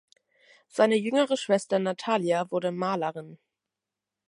Seine jüngere Schwester Natalija wurde Malerin.